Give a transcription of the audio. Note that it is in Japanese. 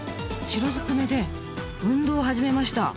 白ずくめで運動を始めました。